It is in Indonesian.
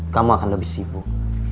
kamu akan lebih sibuk